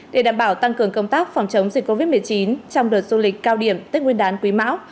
để đảm bảo tăng cường công tác phòng chống dịch covid một mươi chín trong đợt du lịch cao điểm tết nguyên đán quý mão